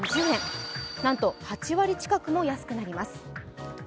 なんと８割近くも安くなります。